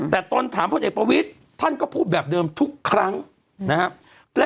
แต่ตนถามพลเอกประวิทย์ท่านก็พูดแบบเดิมทุกครั้งนะครับ